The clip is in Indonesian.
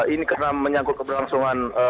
ini karena menyangkut keberlangsungan